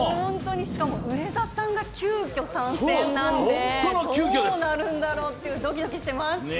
しかも上田さんが急きょ参戦なんでどうなるんだろうっていう、ドキドキしてます。